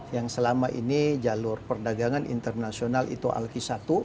yang selama ini jalur perdagangan internasional itu alki satu